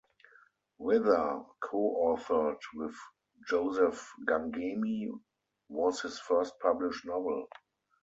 "Wither," co-authored with Joseph Gangemi, was his first published novel.